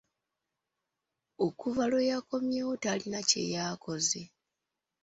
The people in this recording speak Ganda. Okuva lwe yakomyewo talina kye yaakoze.